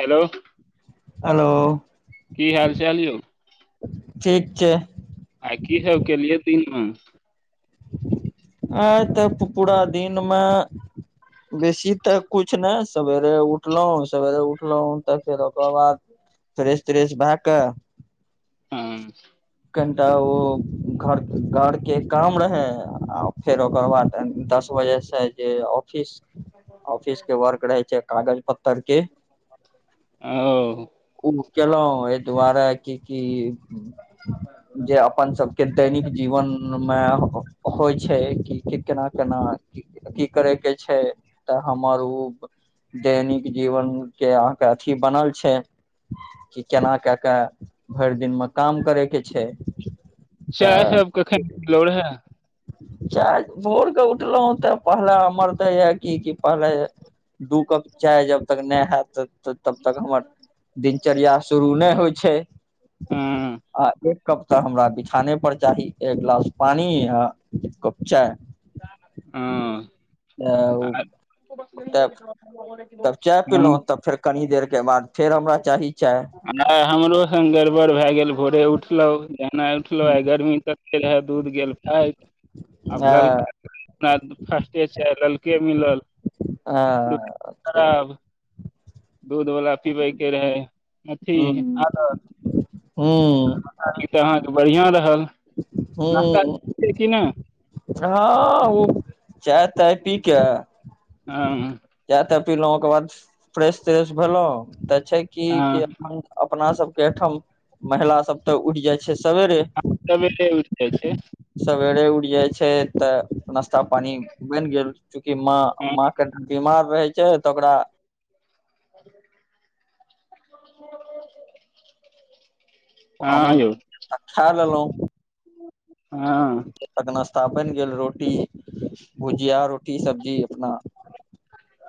Hello hello की हाल चाल यौ ठीक छै आ की सबब केलियै दीनमे आइ तक पूरा दिनमे बेसी तऽ कुछ नहि सवेरे उठलहुँ सवेरे उठलहुँ तऽ फेर ओकर बाद फ्रेश त्रेश भ कऽ हँ तऽ ओ घर घर के काम रह आ फेर ओकर बाद दस बजे से जे ऑफिस ऑफिस के वर्क रहै छै कागज पत्तर के ओ केलहुँ एहि दुआरे क की जे अपन सबके दैनिक जीवन मे होइ छै कि केना केना की करै के छै तऽ हमर ऊ दैनिक जीवन के अथी बनल छै कि केना कए के भरि दिनमे काम करयके छै चाय तऽ सब कखन पीलो रहय चाय भोरके उठलहुँ तऽ पहला मरदे य क पहले दू कप चाय जब तक नहि हयत तबतक हमर दिनचर्या शुरू नहि होय छै हँ आ एक कप तऽ हमरा बिछाने पर चाही एक गिलास पानि एक कप चाय ह ह्म तब तब चाय पीलहुँ तब फेर कनि देरके बाद फेर हमरा चाही चाय नहि हमरो सङ् गड़बड़ भए गेल भोरे उठलहुँ एनाइ उठलो आ गर्मी तते रहे दूध गेल फाट आब लल हँ फिर्श्ते ललके मिलल हँ अच्छा खराब दूध वला पीबै के रहै [unintelligible] हँ अहाँके बढ़िआं रहल नास्ता हूँ केलिये कि नए हँ ओ चाय ताय पी के हँ जा तऽ पीलहुँ ओकर बाद फ्रेश त्रेश भेलहुँ तऽ छै की हँ अपन अपना सब के ठाम महिला सब ते उठ जाइ छै सबेरे हम सबेरे उठि जाइ छै सबेरे उठ जाय छै ते नश्ता पानी बैन गेल चूकि माँ माँ के मा रहै छै तऽ ओकरा [inaudible] हँ हमुन यौ खा लेलहुँ हँ नश्ता बैन गेल रोटी भुजिया रोटी सब्जी अपना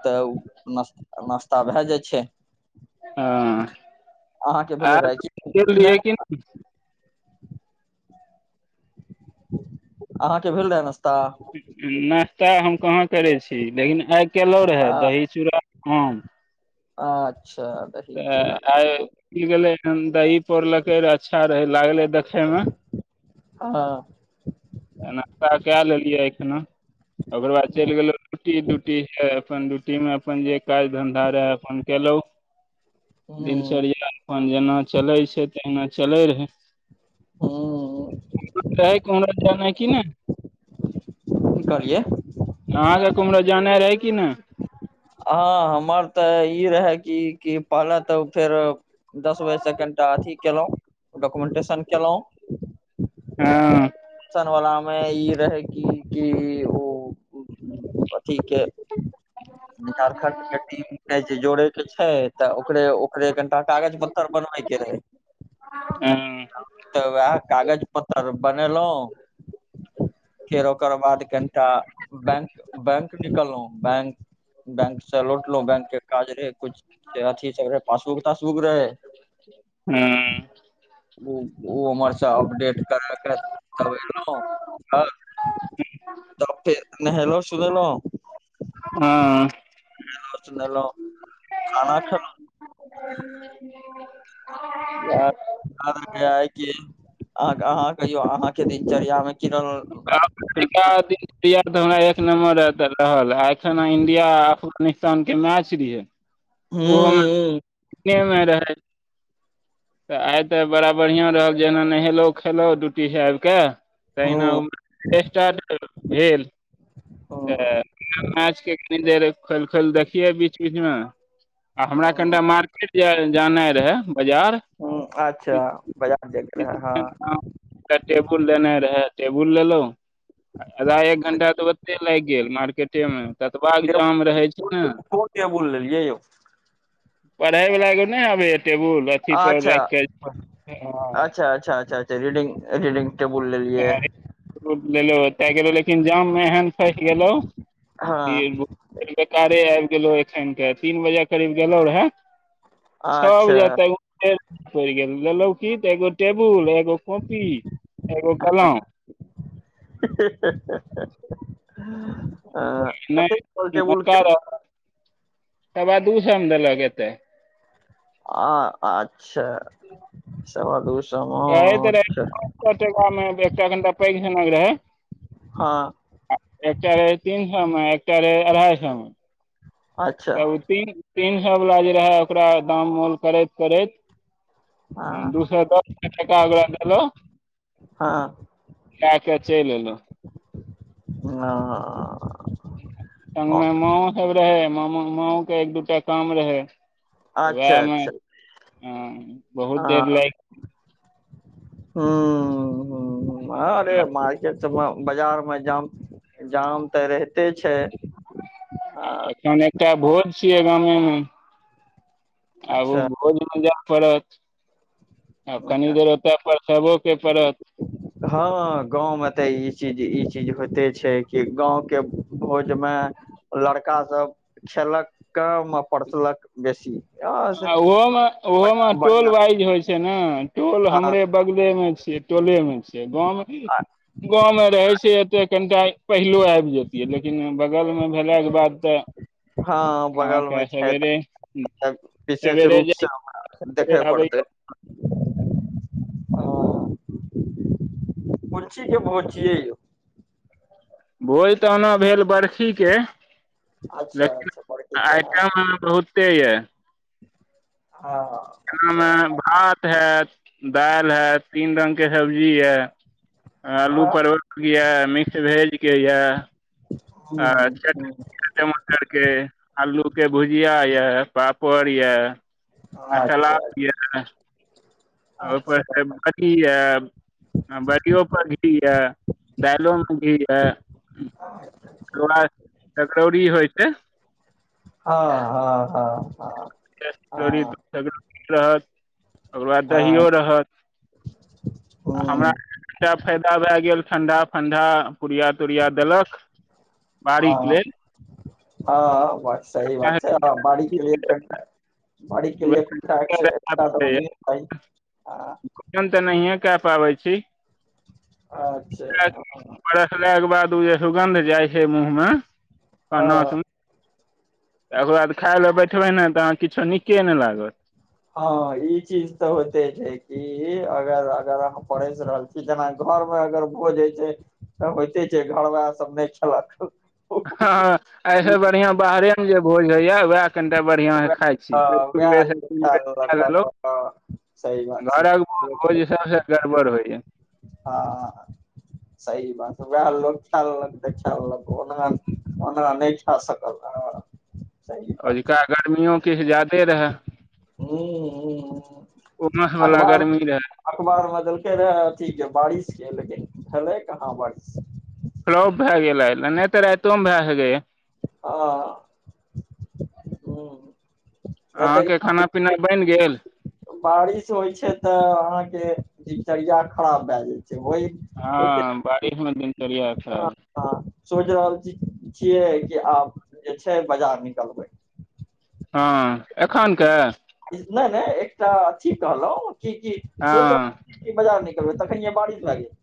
तऽ नश्त नाश्ता भए जाइ छै हँ अहाँके आ भेलै रहए कि खेल लए नहि क अहाँके भेल रहै ने नस्ता हम कहाँ करै छी। लेकिन आइ केलहु रहे दही चूड़ा ह आछ तऽ आइ गेलै दही पौरलकै र अच्छा रहे लागले देख हँ नश्ता कए लेलियै एखनो ओकर बाद चलि गेलहुँ ड्यूटी ड्यूटी ह अपन ड्यूटीमे अपन जे काज धन्धा रहय अपन केलहुँं ह दिनचर्या अपन जेना चलै छै। तेहिना चलै रहै ह रहक उमरा ज न की ने की कहलियै अहाँके कुम्हरो जानै रहै कि नहि ह हमर तऽ ई रहै कि कि पहले तऽ फेर दस बजेसँ कनि टा अथि कयलहुँ डॉक्युमेन्टेशन कयलहुँ हँ चनवला मे ई रहै कि कि ओ अथी के झारखण्ड के टिम मै जोड़े छै तऽ ओकरे ओकरे कनिटा कागज पत्तर बनबै के रहै ह तह उहै कागज प्तर बनेल फेर ओकर बाद कनिटा बैंक बैंक निकललहुँ बैंक बैंक से लौटलों बैंक के काज रहे कुछ अथी सब रहैय पासबुक तासबुक रहैय हँ ओ उमहरसँ अपडेट करा क तब एलहुँ त तब ते हेलो सुनेलौं हँ सुनलों खाना खेलों इह अहाँ कहियौ अहाँके दिनचर्यामे हमरा दिनचर्या तऽ हमरा एक नम्बर अत करहल एखन इन्डिया आ अफगानिस्तान के मैच भी हैइ ओहो में हूँ हमरे में रहैइ तऽ आइ तऽ बड़ा बढ़िआँ रहल जेना नहेलहु खेलहु ड्यूटीसँ आबि कऽ तहिना हूँ हूँ उ स्टार्ट भेल त दे खोल खोल देखियै बीच बीचमे आ हमरा कनिटा हूँ मार्केट जाए जानैइ रहैय बजार हूँ अच्छा बाजार जायके रहै हँ टेबुल देने रहै टेबुल लेलौं आधा एक घंटा तऽ ओते लागि गेल मार्केटेमे ततबाक जाम रहै छैइ ने के बोललेलियै यौ पढ़ैइ बला के नई आबैह टेबुल अच्छा [unintelligible] अच्छा अच्छा हँ अच्छा अच्छा रीडिंग रीडिंग टेबुल लेलियै अरे ककरो लेलो होतैइ लेकिन एकरे जाम में एहन फंस गेलौं हँ बेकारे आइब गेलौं गेलहुँ एखन तीन बजे करीब गेलहुँ रहै छओ बजे अच्छा तक पड़ि गेल लेलहु की तऽ एगो टेबुल एगो कॉपी एगो हे कलम हे हे हे हे हे नहि टेबुल के [unintelligible] सबा दू सौ में देलक ऐते आ अच्छा सवा दूस कहैत रहै तीनसए टका में एकटा तनका पैघ झनक रहै हँ एकटा रहैइ तीन सए में एकटा रहैइ अढ़ाइ सए में अच्छा तऽ ओ तीन तीनसए वला जे रहैइ ओकरा दाम मोल करैत करैत हँ दूसौ दस टका भैयगेलैइ हँ ता के चलि एलहु हंअ् संगमे माओ सब रहैइ मांओ के एक दू टा काम रहैइ तऽ अच्छा उएहमे अच्छा हूंअ् बहुत देर लाइग हंअ् हंअ् आरे गेल। माइके त बाजार मे जाम जाम तऽ रहिते छैइ आ एखन एकटा भोज छिअई गामे में आब ओ अच्छा भोजमे जाय पड़त आ कनि देर ओतय परसबो के पड़त हँ गाँव मे तऽ ई चीज ई चज ज होइते छैइ कि गाँवके भोज में लड़का सभ खेलक कमे पढरसलक बेसी हँ आ ओहो में ओहो में टोल बढ़िआँ वाइज होइ छैइ न टोल हँ हमरे बगले मे छियै टोले मे छियै गाँव में गांव मे रहैइ छैइ ऐते कम टाइम पहिलो आईब जतियै लेकिन बगलमे भेलाके बाद तऽ हां अहाँके बगलमे छैय सवेरे सवेरे तऽ विशेष रूपसँ जाइ हम देखे पड़तै आबैयौ ह कोन ची के भोज छियै यौ भोज तऽ ओना भेल बर्खीके अच्छा लेकिन अच्छा बड़की के हँ आइटम बहुते यए हँ अच्छा जेनामे भात हैत दालि हए तीन रङ्गके सब्जी हए आलू परवलके यए मिक्स भेजके यए आ हूँ हूँ चटनी टमाटर के आलू के भुजिया यऽ पापड़ यऽ आ अच्छा सलाद यऽ ह पर अच्छा कथी अ हँ बड़ियओपर घी यए दालिओमे घी यए हँ छै हँ हँ हँ फेर सकरोरी हँ रहत ओकर बाद हँ दहिो रहत आ हमरा हूँ तऽ फायदा भए गेल ठंडा फंडा पूरिया तोरिया देलक बाड़ीक हँ लेल हँ बात सही एखन बात छै ह बाड़ीके लिए ट्रेक्टर बाड़ीक के लिए एकटा नहि तऽ एकटा रहये के हेतै आ क पाबै छी अच्छा बरसलाके बाद ओ जे सुगन्ध जाइ छै मुँहमे हँ करनासम त ओकर बाद खाय लए बैठबै ने तऽ अहाँ किछो नीके नहि लागत हँ ई चीज तऽ होते छै कि अगर अगर अह पस रहल छी जेना घर मे अगर भोजइ छै तऽ होइते छै घर वाह सब नहि खेलक हँ ओ ऐसँ बढ़िआं बाहरे मे जे भोज होइए उएह कनिटा बढ़िआं से हँ खाइ छी दू वएह बेर तीन बेर खा लेलहु सही बात छै घरक भोज सबसँ गड़बड़ होइय हँ सही बात वएह लोक खा लेलक खा लेलक ओना ओना नहि शकल ओझुका गर्मियो किछु जादे रहै ह उमस वाला अठबार गर्मी रहे अखबार मे देलकै रहै अथि के बारिश के लेकिन भेलै कहाँ बारिश फ्लॉप भए गेल नहि तऽ राइतोमे भए आ ह हेतै अहाँके खाना पीना बनि गेल ह बारिश होइ छै तऽ अहाँके दिनचर्या खराब भए जाइ छै ओहि होइ छै बीच मे दिनचर्या खराब सोचि रहल छी छियै कि आब जे छै बाजार निकलबै हँ एखन के नै नै एकटा अथी कहलहुँ की की सोच हँ रहल बाजार मे तखनिये बारिस भए गैले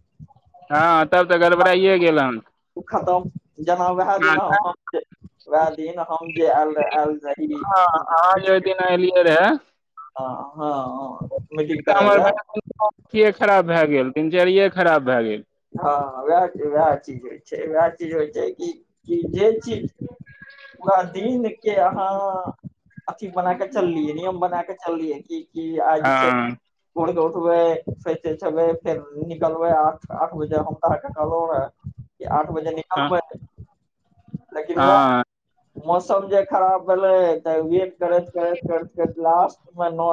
हँ तब तऽ गड़बड़ाए गेल हन ओ खतम जेना उएह दिन हम जे उएह दिन हम जे आयल रह आयल रहि हँ अहाँ जे भीज ओहि के दिन एलियै रहे ह ह मीटिंग तऽ करय हमर लै भैया अथिये खराब भए गेल दिनचर्या खराब भए गेल हँ वैह वएह चीज होइ छै वएह चीज होइ छै कि जे चीज [inaudible] पूरा दिन के अहाँ अथी बना के चललीय है नियम बना के चललीय कि कि आय जे छै हँ भोर के सुबह [unintelligible] निकलबे आठ आठ बजे हम तऽ अहाँक कहलहु रहय कि आठ बजे निकल बै हाँ मौसम जे खराब भेले तऽ वेट करैत करैत करैत करैत लास्ट नौ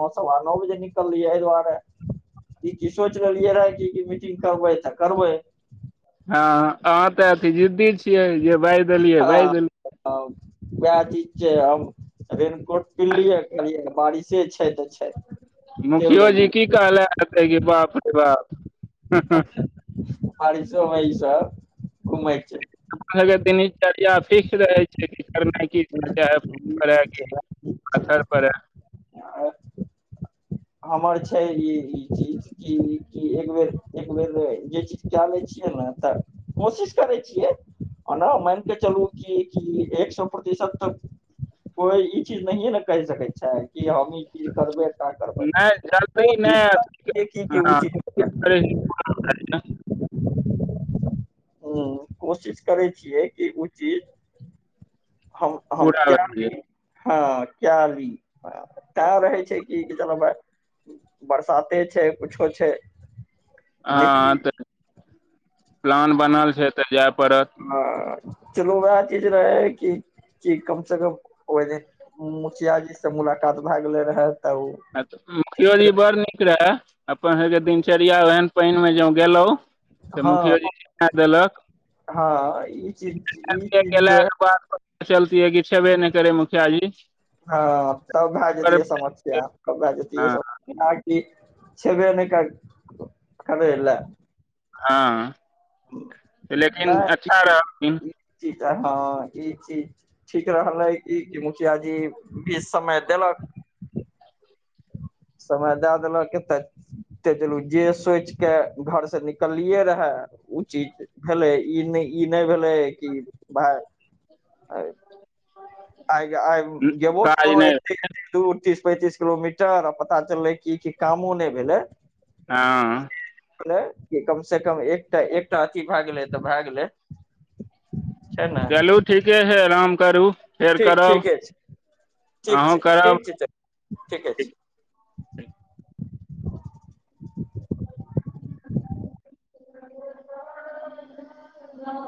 नौ सवा नौ बजे निकललियै एहि दुआरे ई कि सोच लेलियै रहै कि की मीटिंग करबै तऽ करबै हँ अहाँ तऽ अथी जिद्दी छियै जे बाजि देलियै बाजि देलियै उएह चीज छै आब रेनकोट पनलियै कहलियै बारिशे छै तऽ छै चैल मुखियो जी देलियै की कहलक कि बाप रे बाप बारिसो मे ई सभ हमर सभके दिनचर्या फिक्स रहर छै कि की चाहे पानि पड़य की पाथर पड़य छै हमर छै ई ई चीज कि कि एक बेर उम्मीद रहय जे चीज कए लै छियै ने तऽ कोशिश करय छियै ओना मानि के चलू कि की एक सौ प्रतिशत तक कोइ ई चीज नहिए ने कहि सकैत छै कि हम ई चीज करबे ता नहि जल्दी नहि कि ओ हँ चीज कोशिश करय छी पूरा करय के ह्म कोशिश करय छियै कि ओ चीज हम हम पूरा भए क्या भी गेल। हँ क्या भी ह तैं रहै छै कि चल भाइ बरसाते छै कुछो छै हँ निकली तऽ प्लान बनल छै तऽ जाय पड़त ह चलू वैह चीज रहय कि कि कम से कम ओहि दिन मुखिया जी से मुलाकात भए गेलय रहय आ तऽ मुखियो जी बड़ निक रहय अपन सबके दिनचर्या ओहन पानि मे जो गेलहुं तऽ हँ मुखियो जी शिक्षा देलक हँ ई चीज ई चीज जे चलतीए कि छबे नहि करय मुखिया जी हँ तब भए जेतियै समस्या तब भए जेतियै हँ सम ई छबेने करय करयलेल हँ लेकिन नहि अच्छा ई रहथिन चीज ई चीज हँ ई चीज ठीक रहलै कि मुखिया जी बीच समय देलक समय दए देलक तऽ ते चलू जे सोचि के घर से निकललियै रहय उ चीज भेलए ई नहि भेल की भाय आ आइ गेबो काज कयलौ नहि एतेक दूर तीस पैंतीस किलोमीटर आ पता चललै कि की कामो नहि भेलै हँ कम से कम एकटा एकटा अथी भए गेलै तऽ भए गेलै छै ने चलू ठीके है आराम करू फेर ठीक करब ठीके छै ठीक अहूँ छै करब ठीक छै ठीके छै ठीक [inaudible] [unintelligible]